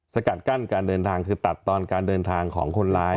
สกัดกั้นการเดินทางคือตัดตอนการเดินทางของคนร้าย